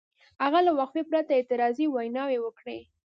هغه له وقفې پرته اعتراضي ویناوې وکړې.